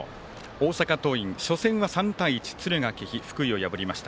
大阪桐蔭、初戦は３対１敦賀気比・福井を破りました。